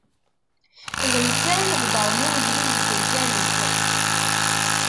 D netta ara iheddṛen i ugdud deg umkan-ik.